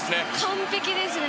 完璧ですね。